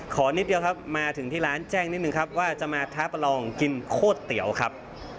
นิดเดียวครับมาถึงที่ร้านแจ้งนิดนึงครับว่าจะมาท้าประลองกินโคตรเตี๋ยวครับ